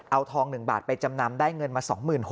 เอาทอง๑บาทไปจำนำได้เงินมา๒๖๐๐